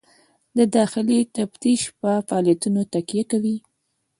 دا د داخلي تفتیش په فعالیتونو تکیه کوي.